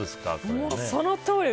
もう、そのとおり！